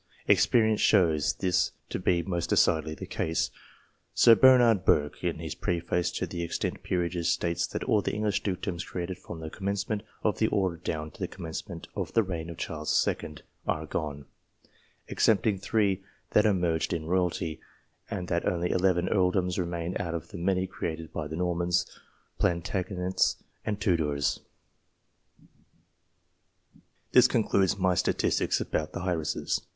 Experience shows this to be most decidedly the case. Sir Bernard Burke, in his preface to the " Extinct Peerages," states that all the English dukedoms created from the commencement of the order down to the commencement of the reign of Charles II. are gone, excepting three that are merged in royalty, and that only eleven earldoms remain out of the many created by the Normans, Plantagenets, and Tudors. This concludes my statistics about the heiresses.